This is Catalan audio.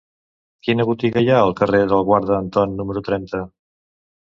Quina botiga hi ha al carrer del Guarda Anton número trenta?